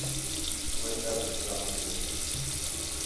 Wê nebizdandiye.